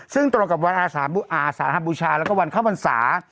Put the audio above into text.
ซึ่งตรงกับวันอาสาหบูชาแล้วก็วันเข้าพรรษา